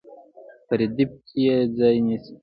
په ردیف کې یې ځای نیسي.